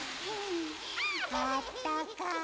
あったかい。